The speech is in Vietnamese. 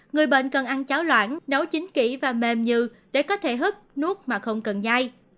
người bệnh cần ăn cháo loạn nấu chính kỹ và mềm như để có thể hứt nuốt mà không cần nhai